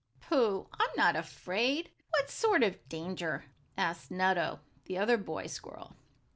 "Pooh, I'm not afraid! What sort of danger?" asked Nutto, the other boy squirrel.